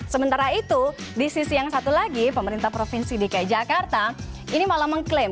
sementara itu di sisi yang satu lagi pemerintah provinsi dki jakarta ini malah mengklaim